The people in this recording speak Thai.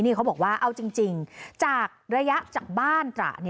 เขาบอกว่าเอาจริงจากระยะจากบ้านตระ